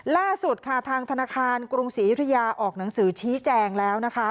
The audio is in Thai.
ล่าสุดค่ะทางธนาคารกรุงศรียุธยาออกหนังสือชี้แจงแล้วนะคะ